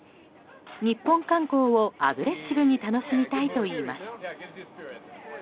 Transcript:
日本観光をアグレッシブに楽しみたいといいます。